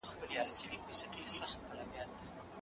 احمدالله نظري اخترمحمد رنځور